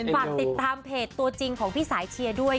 ฝากติดตามเพจตัวจริงของพี่สายเชียร์ด้วย